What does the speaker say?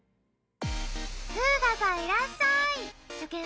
「フーガさんいらっしゃい！」。